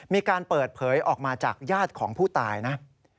มีการเปิดเผยออกมาจากญาติของผู้ตายนะ